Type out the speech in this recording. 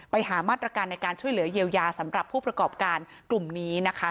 ไปหามาตรการในการช่วยเหลือเยียวยาสำหรับผู้ประกอบการกลุ่มนี้นะคะ